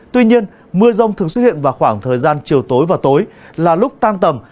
tuy nhiên mưa rông thường xuất hiện vào khoảng thời gian chiều tối và tối là lúc tan tầm